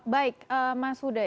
baik mas huda